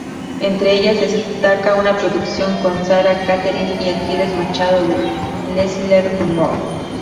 Entre ellas destaca una producción con Sara Catherine y Aquiles Machado de "L'elisir d'amore".